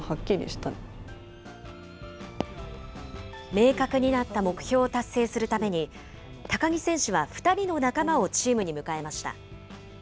明確になった目標を達成するために、高木選手は２人の仲間をチームに迎えました。